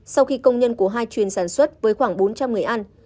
sau khi công nhân của hai chuyên sản xuất với khoảng bốn trăm linh người ăn